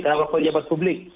kenapa pejabat publik